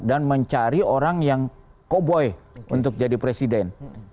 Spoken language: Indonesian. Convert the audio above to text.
dan mencari orang yang cowboy untuk jadi presiden